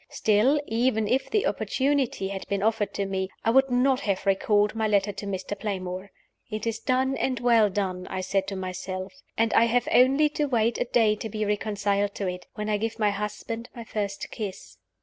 Still, even if the opportunity had been offered to me, I would not have recalled my letter to Mr. Playmore. "It is done, and well done," I said to myself; "and I have only to wait a day to be reconciled to it when I give my husband my first kiss."